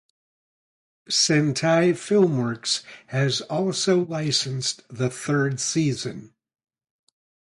Sentai Filmworks has also licensed the third season.